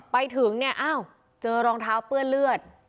ไปถึงเนี่ยอ้าวเจอรองเท้าเปื้อนเลือด